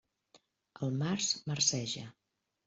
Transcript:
El març marceja.